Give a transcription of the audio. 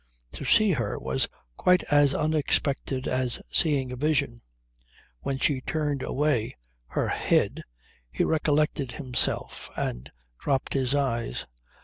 To see her was quite as unexpected as seeing a vision. When she turned away her head he recollected himself and dropped his eyes.